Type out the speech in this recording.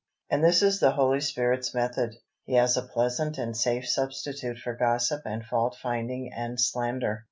And this is the Holy Spirit's method: He has a pleasant and safe substitute for gossip and fault finding and slander.